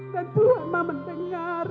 dan tuhan maha mendengar